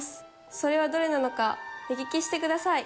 それはどれなのか目利きしてください。